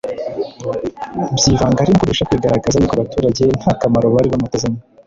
byivanga ari nako birusha kwigaragaza yuko abaturage nta kamaro bari bamutezemo